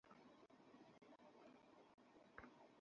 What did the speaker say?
শিক্ষক ছিল তার অসৎ পিতা।